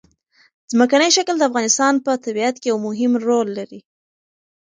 ځمکنی شکل د افغانستان په طبیعت کې یو مهم رول لري.